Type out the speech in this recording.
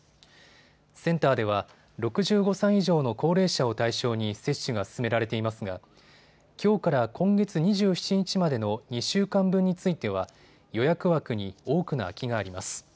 センターでは６５歳以上の高齢者を対象に接種が進められていますがきょうから今月２７日までの２週間分については予約枠に多くの空きがあります。